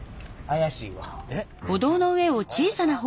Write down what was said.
怪しいわ。